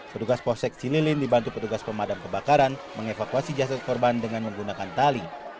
pedugas posek cililin dibantu pedugas pemadam kebakaran mengevakuasi jasa korban dengan menggunakan tali